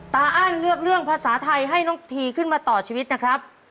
อ้านเลือกเรื่องภาษาไทยให้น้องทีขึ้นมาต่อชีวิตนะครับ